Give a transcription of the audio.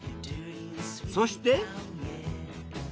そして。